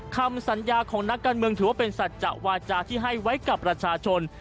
คำสัญญาของนักการเมืองถือว่าเป็นสัจจะวาจาที่ให้ไว้กับประชาชน